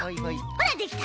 ほらできた！